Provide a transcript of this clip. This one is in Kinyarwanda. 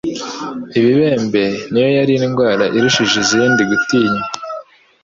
ibibembe ni yo yari indwara irushije izindi gutinywa.